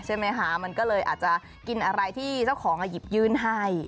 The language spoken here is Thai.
ใช่ไหมคะมันก็เลยอาจจะกินอะไรที่เจ้าของหยิบยื่นให้